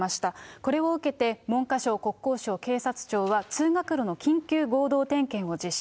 これを受けて、文科省、国交省、警察庁は、通学路の緊急合同点検を実施。